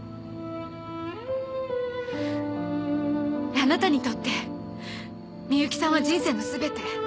あなたにとって深雪さんは人生のすべて。